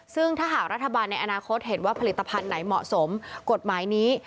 ซึ่งถ้าหากรัฐบาลในอนาคตเห็นว่าผลิตภัณฑ์ไหนเหมาะสมกฎหมายนี้